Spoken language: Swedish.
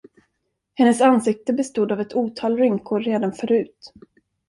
Hennes ansikte bestod av ett otal rynkor redan förut.